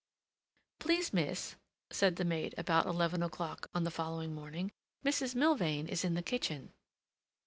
"Please, miss," said the maid, about eleven o'clock on the following morning, "Mrs. Milvain is in the kitchen."